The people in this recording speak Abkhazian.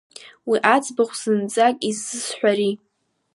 Уи аӡбахә зынӡак изысҳәари?